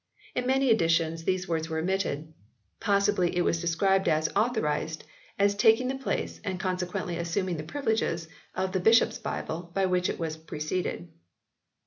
In many editions these words were omitted. Possibly it was described as "Authorised" as taking the place, and consequently assuming the privileges, of the Bishops Bible by which it was preceded.